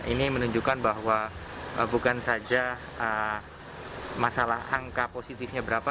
ini menunjukkan bahwa bukan saja masalah angka positifnya berapa